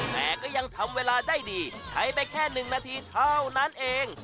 แต่ก็ยังทำเวลาได้ดีใช้ไปแค่๑นาทีเท่านั้นเอง